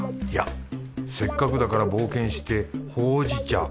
いやせっかくだから冒険してほうじ茶